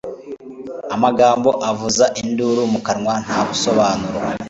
amagambo avuza induru mu kanwa nta busobanuro